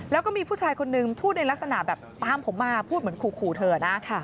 แล้วก็มีผู้ชายคนนึงพูดในลักษณะแบบตามผมมาพูดเหมือนขู่เธอนะ